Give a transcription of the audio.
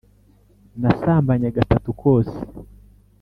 nasambanye gatatu kose".